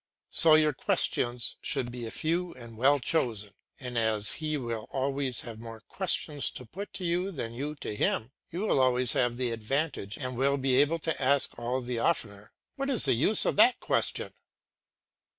So your questions should be few and well chosen, and as he will always have more questions to put to you than you to him, you will always have the advantage and will be able to ask all the oftener, "What is the use of that question?"